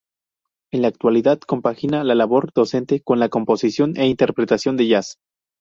En la actualidad, compagina la labor docente con la composición e interpretación de jazz.